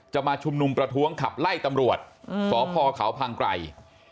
มาชุมนุมประท้วงขับไล่ตำรวจสพเขาพังไกร